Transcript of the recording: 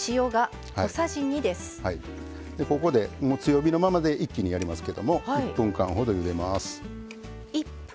ここでもう強火のままで一気にやりますけども１分間ほどゆでます。